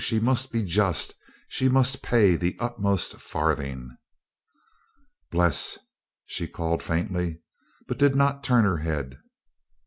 She must be just. She must pay the uttermost farthing. "Bles," she called faintly, but did not turn her head.